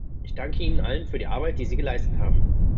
Ich danke Ihnen allen für die Arbeit, die Sie geleistet haben.